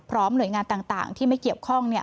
หน่วยงานต่างที่ไม่เกี่ยวข้อง